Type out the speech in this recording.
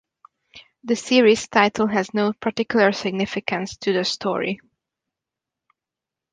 The series title has no particular significance to the story.